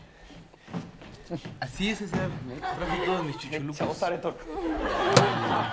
めっちゃ押されとる。